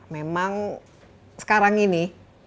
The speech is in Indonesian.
memang sekarang ini